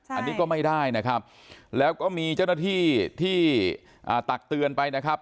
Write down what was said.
อันนี้ก็ไม่ได้นะครับแล้วก็มีเจ้าหน้าที่ที่ตักเตือนไปนะครับ